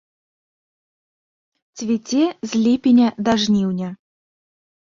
Цвіце з ліпеня да жніўня.